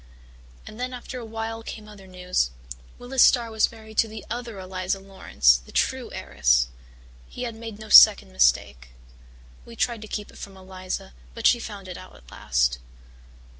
And then after a while came other news Willis Starr was married to the other Eliza Laurance, the true heiress. He had made no second mistake. We tried to keep it from Eliza but she found it out at last.